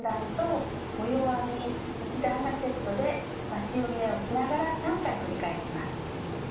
編み１段がセットで増し目をしながら３回繰り返します。